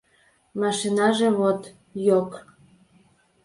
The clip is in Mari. Машинаже вот — йок.